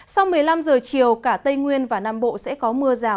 sau một mươi năm giờ chiều cả tây nguyên và nam bộ sẽ có mưa rào